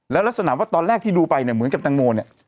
แล้วลักษณะว่าตอนแรกที่ดูไปเนี่ยเหมือนกับแตงโมเนี่ย